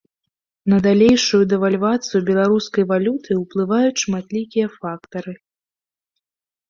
На далейшую дэвальвацыю беларускай валюты ўплываюць шматлікія фактары.